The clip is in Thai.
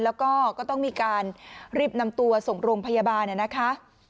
แล้วก็ก็ต้องมีการรีบนำตัวส่งโรงพยาบาลนะคะ